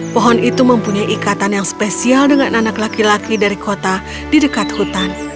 pohon itu mempunyai ikatan yang spesial dengan anak laki laki dari kota di dekat hutan